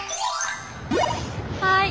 はい！